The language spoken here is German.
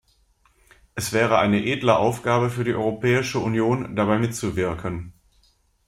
Es wäre eine edle Aufgabe für die Europäische Union, dabei mitzuwirken.